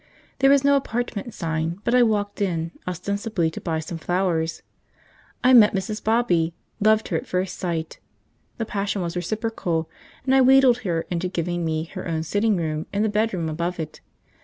There was no apartment sign, but I walked in, ostensibly to buy some flowers. I met Mrs. Bobby, loved her at first sight, the passion was reciprocal, and I wheedled her into giving me her own sitting room and the bedroom above it.